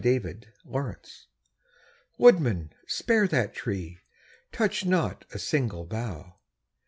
[See Notes] Woodman, spare that tree! Touch not a single bough!